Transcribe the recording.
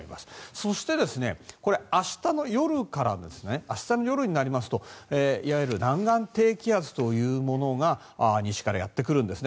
そして明日の夜になりますといわゆる南岸低気圧というものが西からやってくるんですね。